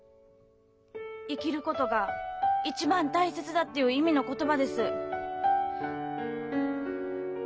「生きることが一番大切だ」という意味の言葉です。